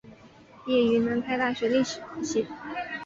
毕业于南开大学历史系。